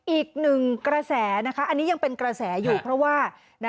อีกหนึ่งกระแสนะคะอันนี้ยังเป็นกระแสอยู่เพราะว่า